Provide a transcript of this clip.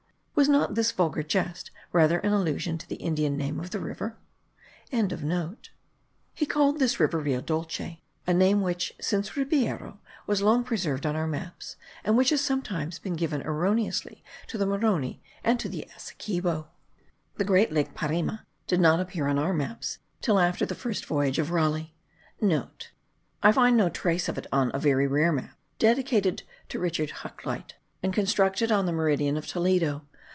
Was not this vulgar jest rather an allusion to the Indian name of the river?) He called this river Rio Dolce a name which, since Ribeyro, was long preserved on our maps, and which has sometimes been given erroneously to the Maroni and to the Essequibo. The great Lake Parima did not appear on our maps* till after the first voyage of Raleigh. (* I find no trace of it on a very rare map, dedicated to Richard Hakluyt, and constructed on the meridian of Toledo.